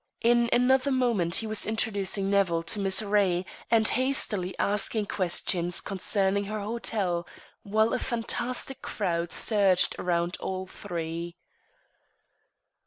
In another moment he was introducing Nevill to Miss Ray and hastily asking questions concerning her hotel, while a fantastic crowd surged round all three.